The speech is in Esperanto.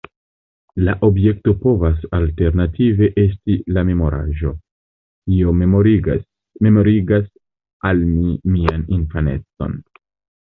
La objekto povas alternative esti la memoraĵo: Tio memorigas al mi mian infanecon.